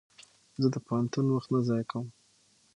زه د پوهنتون وخت نه ضایع کوم.